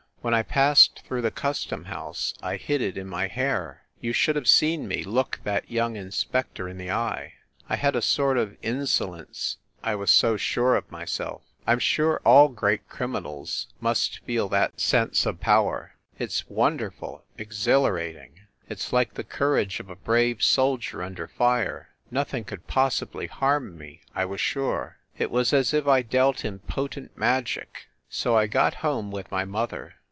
When I passed through the custom house I hid it in my hair. You should have seen me look that young inspector in the eye ! I had a sort of insolence, I was so sure of myself. I m sure all great criminals must feel THE SUITE AT THE PLAZA 133 that sense of power. It s wonderful, exhilarating! It s like the courage of a brave soldier under fire. Nothing could possibly harm me, I was sure. It was as if I dealt in potent magic. So I got home with my mother.